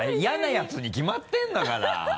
嫌なヤツに決まってるんだから！